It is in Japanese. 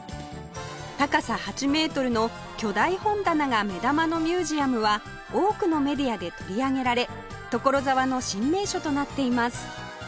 高さ８メートルの巨大本棚が目玉のミュージアムは多くのメディアで取り上げられ所沢の新名所となっています